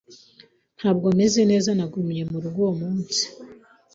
Ntabwo meze neza, nagumye murugo uwo munsi.